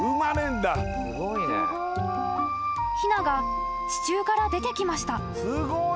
［ひなが地中から出てきました］